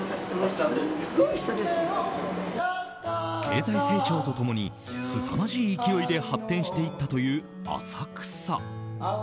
経済成長とともにすさまじい勢いで発展していったという浅草。